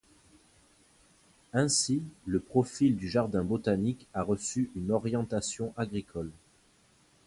Ainsi, le profil du jardin botanique a reçu une orientation agricole.